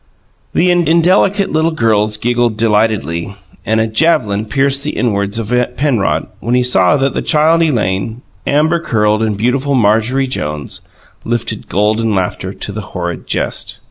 The indelicate little girls giggled delightedly, and a javelin pierced the inwards of Penrod when he saw that the Child Elaine, amber curled and beautiful Marjorie Jones, lifted golden laughter to the horrid jest.